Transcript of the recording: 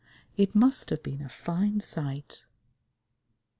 It must have been a fine sight.